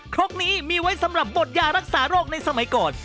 ครกนี้มีไว้สำหรับบดยารักษาโรคในสมัยก่อน